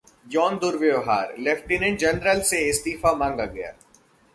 यौन र्दुव्यवहार: lieutenant general से इस्तीफा मांगा गया